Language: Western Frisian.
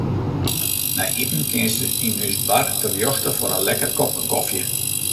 Nei iten kinst yn ús bar terjochte foar in lekker kopke kofje.